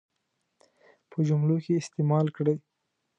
په جملو کې استعمال کړي.